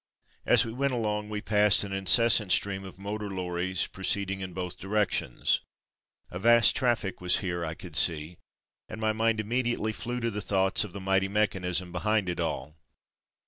As we went along, we passed an incessant stream of motor lorries proceeding in both directions. A vast traffic was here, I could see, and my mind immediately flew to thoughts of the mighty mechanism behind it all.